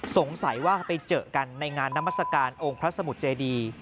สงสัยว่าไปเจอกันในงานนามัศกาลองค์พระสมุทรเจดี